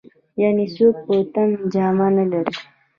يعنې څوک په تن جامه نه لري.